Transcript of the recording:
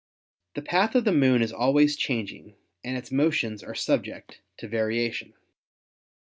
The path of the Moon is always changing and its motions are subject to variation.